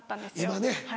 今ね。